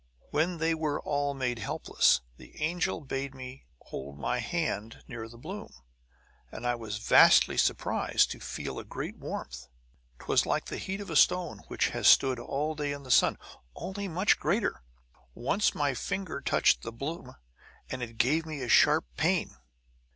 "When they were all made helpless the angel bade me hold my hand near the bloom; and I was vastly surprised to feel a great warmth. 'Twas like the heat of a stone which has stood all day in the sun, only much greater. Once my finger touched the bloom, and it gave me a sharp pain."